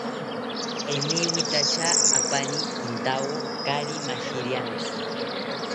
Eniwitacha apani kintawo kaari mashiriantzi